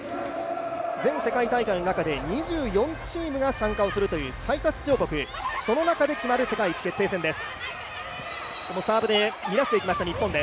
全世界大会の中で２４チームが出場するという最多出場国、その中で決まる世界一決定戦です。